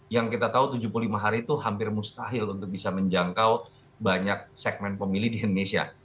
yang kita tahu tujuh puluh lima hari itu hampir mustahil untuk bisa menjangkau banyak segmen pemilih di indonesia